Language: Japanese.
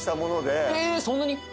そんなに？